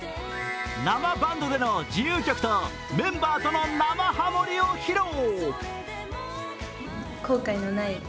生バンドでの自由曲とメンバーとの生ハモりを披露。